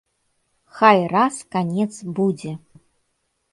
Хай раз канец будзе!